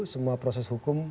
semua proses hukum